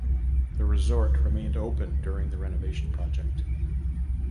The resort remained open during the renovation project.